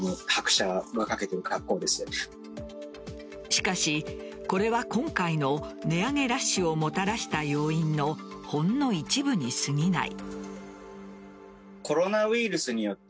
しかし、これは今回の値上げラッシュをもたらした要因のほんの一部に過ぎない。